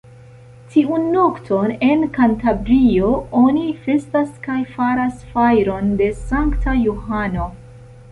Tiun nokton, en Kantabrio oni festas kaj faras fajron de Sankta Johano.